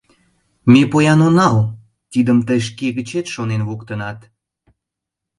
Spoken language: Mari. Ме поян онал, тидым тый шке гычет шонен луктынат.